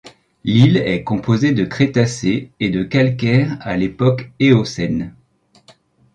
L'île est composée de crétacés et de calcaire à l'époque éocène.